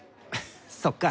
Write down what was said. そっか。